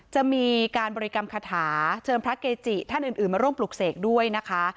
บริกรรมคาถาเชิงพระเกจิท่านอื่นอื่นมาร่วมปลูกเสกด้วยนะคะ